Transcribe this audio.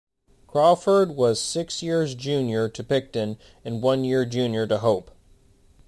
Craufurd was six years junior to Picton and one year junior to Hope.